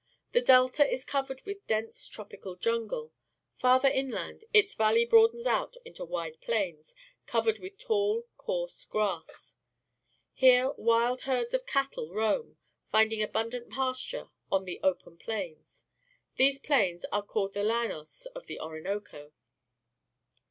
The delta is covered with. dense tropical jungle. Farther inland its valley broadens out into wide plains, covered with tall, coarse grass. Here great herds of Forest and River, South America cattle roam, finding abundant pasture on the open plains. These plains are called the llanosjiithe Orinoco.